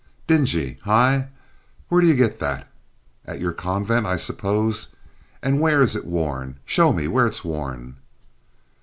"Dingy, hi! Where do you get that? At your convent, I suppose. And where is it worn? Show me where it's worn."